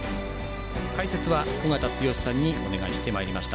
解説は尾方剛さんにお願いしてまいりました。